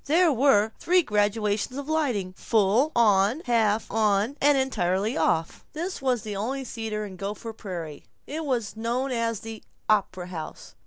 There were three gradations of lighting: full on, half on, and entirely off. This was the only theater in Gopher Prairie. It was known as the "op'ra house."